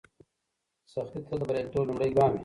سختي تل د بریالیتوب لومړی ګام وي.